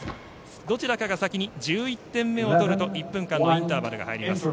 どちらかが先に１１点目を取ると１分間のインターバルが入ります。